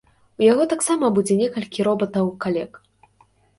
У яго таксама будзе некалькі робатаў-калег.